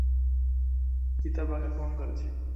চিতাবাঘ আক্রমণ করেছে?